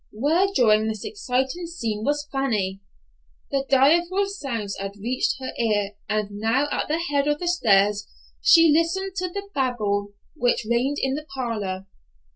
Where during this exciting scene was Fanny? The direful sounds had reached her ear, and now at the head of the stairs she listened to the Babel which reigned in the parlor.